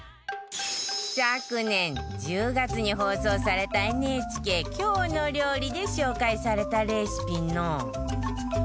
昨年１０月に放送された ＮＨＫ『きょうの料理』で紹介されたレシピの